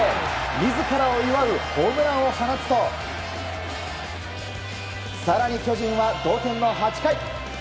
自らを祝うホームランを放つと更に巨人は同点の８回。